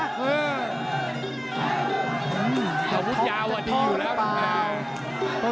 อาวุธยาวอยู่แล้วทุกคน